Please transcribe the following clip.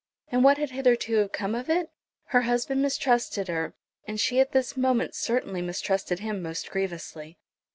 And what had hitherto come of it? Her husband mistrusted her; and she at this moment certainly mistrusted him most grievously.